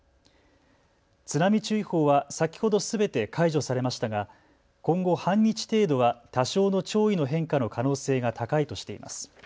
津波注意報は先ほどすべて解除されましたが、今後半日程度は多少の潮位の変化の可能性が高いとしています。